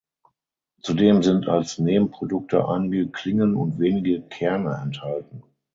Zudem sind als Nebenprodukte einige Klingen und wenige Kerne enthalten.